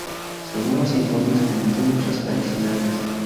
Según los informes, comentó: "¡Muchas felicidades!